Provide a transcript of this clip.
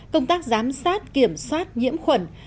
công tác giám sát kiểm soát nhiễm khuẩn